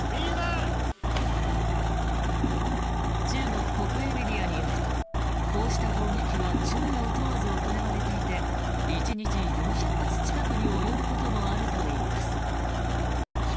中国国営メディアによるとこうした砲撃は昼夜を問わず行われていて１日４０発近くに及ぶこともあるといいます。